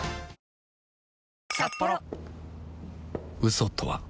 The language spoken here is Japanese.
嘘とは